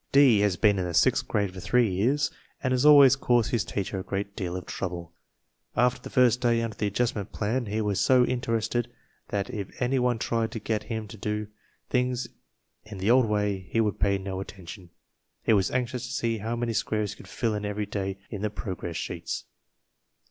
"D. has been in the sixth grade for three years and has always caused his teacher a great deal of trouble. After the first day under the Adjustment Plan he was so interested that if any one tried to get him to do things in the old way he would pay no attention. He was anxious to see how many squares he could fill in every day in the Progress Sheets."